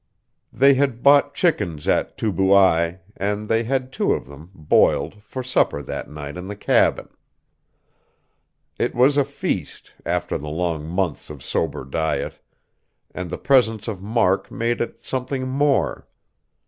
They had bought chickens at Tubuai, and they had two of them, boiled, for supper that night in the cabin. It was a feast, after the long months of sober diet; and the presence of Mark made it something more.